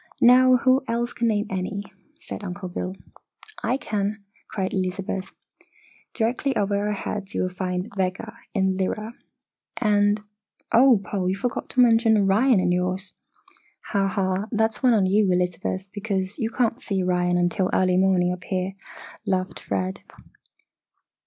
Now, who else can name any?" said Uncle Bill. "I can!" cried Elizabeth. "Directly over our heads you will find Vega, in Lyra. And oh, Paul, you forgot to mention Orion in your's!" "Ha, ha! That's one on you, Elizabeth, because you can't see Orion until early morning up here," laughed Fred.